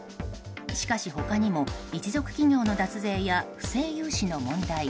しかし他にも、一族企業の脱税や不正融資の問題